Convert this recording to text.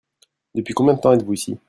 Depuis combien de temps êtes-vous ici ?